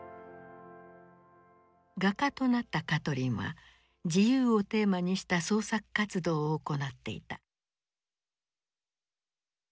画家となったカトリンは「自由」をテーマにした創作活動を行っていた。